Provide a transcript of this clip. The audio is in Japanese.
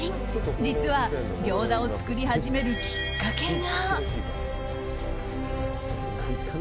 実は、餃子を作り始めるきっかけが。